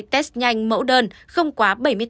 test nhanh mẫu đơn không quá